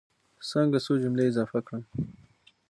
څنګه څو جملې اضافه کړم.